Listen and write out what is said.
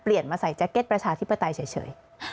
เปลี่ยนมาใส่แจ๊กเก็ตประชาธิปไตยเฉย